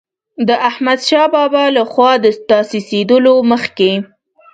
د احمدشاه بابا له خوا د تاسیسېدلو مخکې.